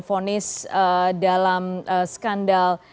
fonis dalam skandal